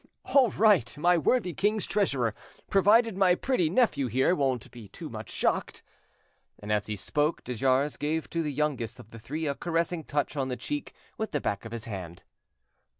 "All right, my worthy king's treasurer, provided my pretty nephew here won't be too much shocked," and as he spoke de Jars gave to the youngest of the three a caressing touch on the cheek with the back of his hand.